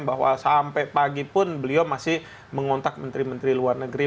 bahwa sampai pagi pun beliau masih mengontak menteri menteri luar negeri